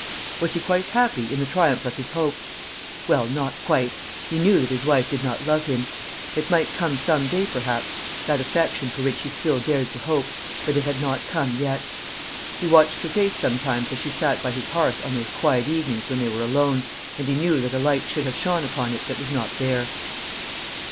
Was he quite happy in the triumph of his hopes? Well, not quite. He knew that his wife did not love him. It might come some day perhaps, that affection for which he still dared to hope, but it had not come yet. He watched her face sometimes as she sat by his hearth on those quiet evenings when they were alone, and he knew that a light should have shone upon it that was not there.